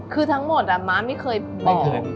คือทั้งหมดม้าไม่เคยบอก